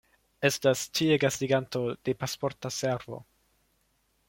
Estas tie gastiganto de Pasporta Servo.